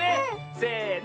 せの。